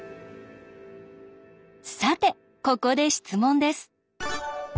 さてここで質問です。